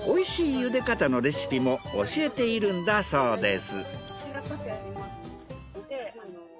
茹で方のレシピも教えているんだそうです。